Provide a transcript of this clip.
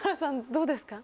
どうですか？